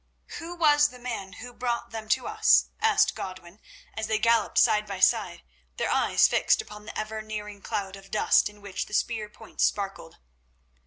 "Who was the man who brought them to us?" asked Godwin, as they galloped side by side, their eyes fixed upon the ever nearing cloud of dust, in which the spear points sparkled.